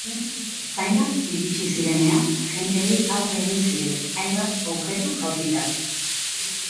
Ertzainak iritsi zirenean, agenteei aurre egin zieten, hainbat objektu jaurtita.